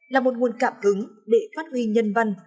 là một nguồn cảm hứng để phát huy nhân văn